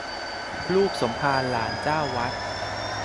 ลูกสมภารหลานเจ้าวัด